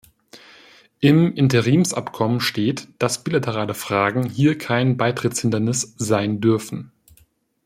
Im Interimsabkommen steht, dass bilaterale Fragen hier kein Beitrittshindernis sein dürfen.